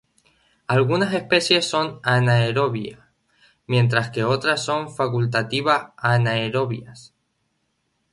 Algunas especies son anaerobias, mientras que otras son facultativas anaerobias.